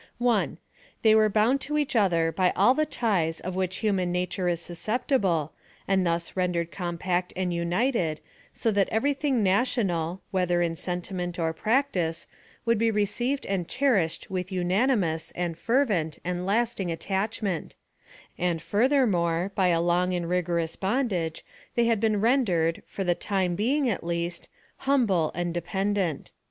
1. They were bound to each other by all the ties of which human nature is susceptible, and thus rendered compact and united, so that every thing national, whether in sentiment or practice, would be received and cherished with unanimous, and fervent, and lasting attachment : and furthermore, by a long and rigorous bondage, they had been ren dered, for the time being at least, humble and de pendent.